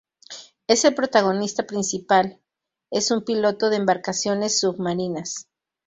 Es el protagonista principal, es un piloto de embarcaciones submarinas.